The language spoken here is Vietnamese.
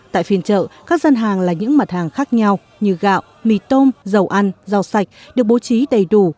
tại phiên chợ các gian hàng là những mặt hàng khác nhau như gạo mì tôm dầu ăn rau sạch được bố trí đầy đủ